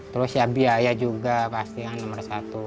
terus ya biaya juga pastinya nomor satu